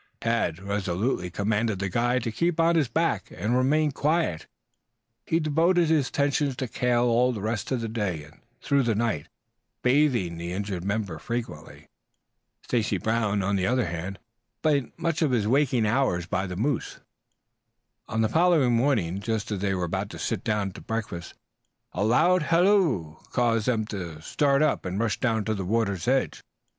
Tad resolutely commanded the guide to keep on his back and remain quiet. He devoted his attention to Cale all the rest of the day and through the night, bathing the injured member frequently. Stacy Brown, on the other hand, spent much of his waking hours out by the moose. On the following morning just as they were about to sit down to breakfast a loud halloo caused them to start up and rush down to the water's edge.